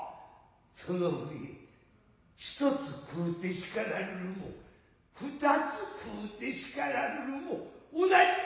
その上一つ食うて叱らるるも二つ食うて叱らるるも同じことじゃ。